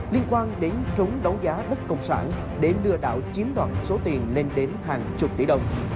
liên quan đến trúng đấu giá đất công sản để lừa đảo chiếm đoạt số tiền lên đến hàng chục tỷ đồng